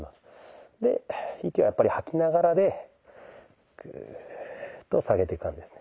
で息はやっぱり吐きながらでグーッと下げていく感じですね。